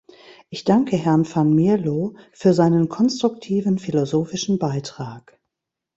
Ich danke Herrn Van Mierlo für seinen konstruktiven philosophischen Beitrag.